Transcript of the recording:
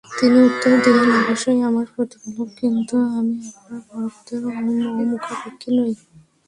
তিনি উত্তর দিলেন, অবশ্যই আমার প্রতিপালক কিন্তু আমি আপনার বরকতের অমুখাপেক্ষী নই।